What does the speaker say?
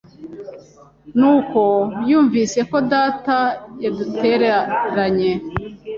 ni uko yumvise ko data yadutereranye